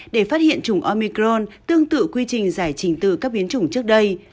để phát hiện chủng omicron tương tự quy trình giải trình từ các biến chủng trước đây